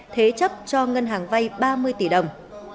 thế chấp cho ngân hàng vay ba mươi tỷ đồng